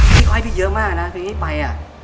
พี่เขาให้พี่เยอะมากนะเพลงนี้ไป